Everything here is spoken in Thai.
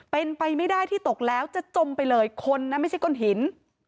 เป็นไปไม่ได้ที่ตกแล้วจะจมไปเลยคนนั้นไม่ใช่ก้นหิน